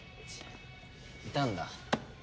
いたんだ？